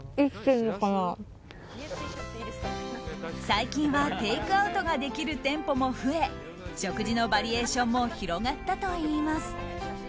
最近はテイクアウトができる店舗も増え食事のバリエーションも広がったといいます。